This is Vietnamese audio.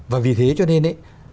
và vì thế cho nên ấy